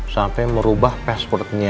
sampai merubah passwordnya